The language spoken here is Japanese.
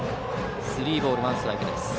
スリーボール、ワンストライク。